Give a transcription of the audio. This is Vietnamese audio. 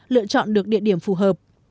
lựa chọn được địa điểm phù hợp